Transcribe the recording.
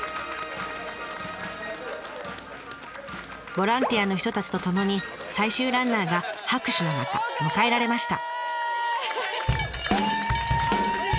ボランティアの人たちとともに最終ランナーが拍手の中迎えられました。